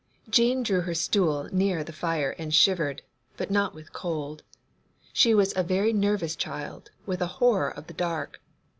Jean drew her stool nearer the fire and shivered, but not with cold. She was a very nervous child, with a horror of the dark.